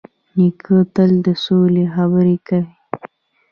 نیکه تل د سولې خبرې کوي.